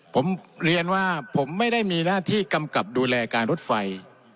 ผมเรียนว่าผมไม่ได้มีหน้าที่กำกับดูแลการรถไฟ